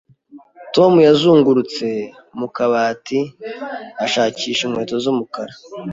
Tom yazungurutse mu kabati ashakisha inkweto z'umukara.